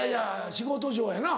仕事上やな。